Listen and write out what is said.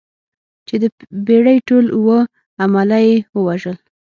چې د بېړۍ ټول اووه عمله یې ووژل.